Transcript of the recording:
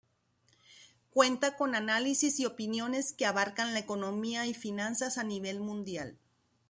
Cuenta con análisis y opiniones que abarcan la economía y finanzas a nivel mundial.